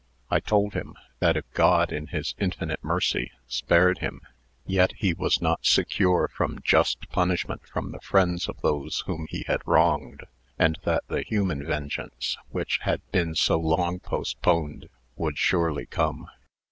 I told him, that if God, in His infinite mercy, spared him, yet he was not secure from just punishment from the friends of those whom he had wronged, and that the human vengeance, which had been so long postponed, would surely come.